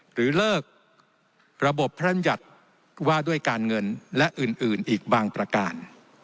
หรือเลิกระบบพระรัญญัติว่าด้วยการเงินและอื่นอีกบางประการ